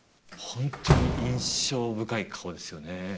ホントに印象深い顔ですよね